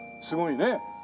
すごいね。